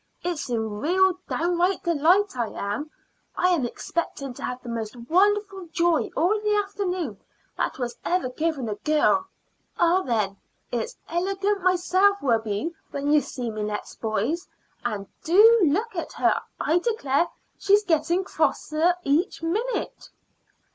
"It's in real downright delight I am. I am expecting to have the most wonderful joy all the afternoon that was ever given a girl. Ah, then, it's illegant myself will be when you see me next, boys. And do look at her! I declare she's getting crosser each minute."